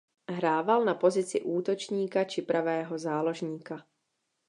Hrával na pozici útočníka či pravého záložníka.